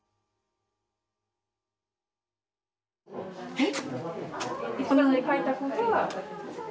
えっ！